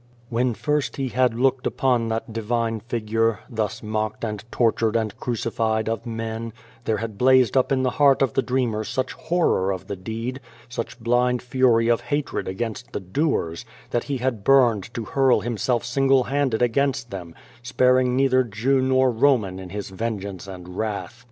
When first he had looked upon that divine figure, thus mocked and tortured and crucified of men, there had blazed up in the heart of the dreamer such horror of the deed, such blind fury of hatred against the doers, that he had burned to hurl himself single handed against them, sparing neither Jew nor Roman in his vengeance and wrath.